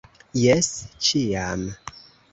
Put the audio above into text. Jes, ĉiam!